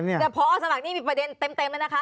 คือดีละคร้าพ่อภอสมัครมีประเด็นเต็มนะคะ